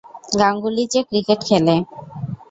গাঙ্গুলি, যে ক্রিকেট খেলে।